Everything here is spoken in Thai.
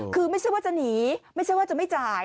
คือไม่ใช่ว่าจะหนีไม่ใช่ว่าจะไม่จ่าย